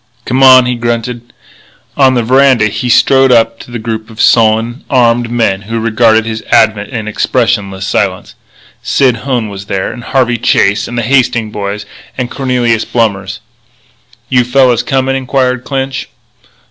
"Come on," he grunted. On the veranda he strode up to the group of sullen, armed men who regarded his advent in expressionless silence. Sid Hone was there, and Harvey Chase, and the Hastings boys, and Cornelius Blommers. "You fellas comin'?" inquired Clinch.